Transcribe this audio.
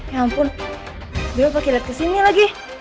ya ampun dewa pake led ke sini lagi